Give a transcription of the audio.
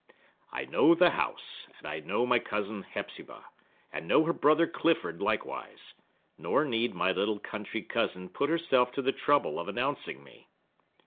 I know the house, and know my cousin Hepzibah, and know her brother Clifford likewise.—nor need my little country cousin put herself to the trouble of announcing me!"